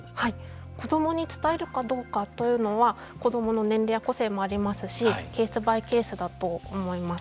子どもに伝えるかどうかというのは子どもの年齢や個性もありますしケースバイケースだと思います。